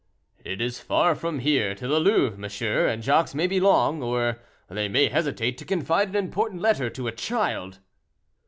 "It is far from here to the Louvre, monsieur, and Jacques may be long, or they may hesitate to confide an important letter to a child."